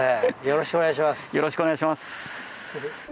よろしくお願いします。